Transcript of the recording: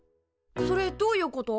それどういうこと？